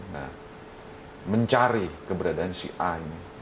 nah mencari keberadaan si a ini